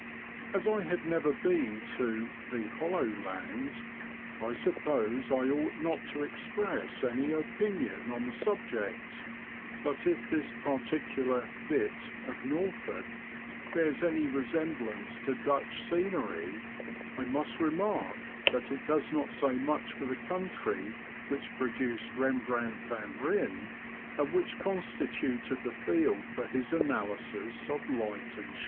As I have never been to the hollow land," I suppose I ought not to express any opinion on the subject, but if this particular bit*' of Norfolk bears any resemblance to Dutch scenery, I must remark that it does not say much for the country which produced Eembrandt van Byn, and which constituted the field for his analysis of light and shade.